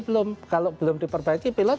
belum kalau belum diperbaiki pilot